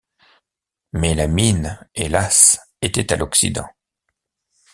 Mais la mine, hélas! était à l’occident.